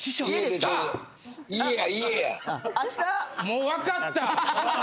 もう分かった！